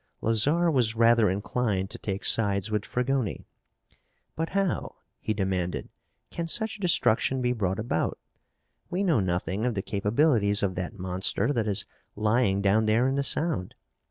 Lazarre was rather inclined to take sides with Fragoni. "But how," he demanded, "can such destruction be brought about? We know nothing of the capabilities of that monster that is lying down there in the Sound.